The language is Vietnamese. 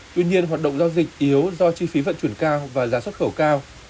tuy nhiên hoạt động giao dịch yếu do chi phí vận chuyển cao và giá xuất khẩu cao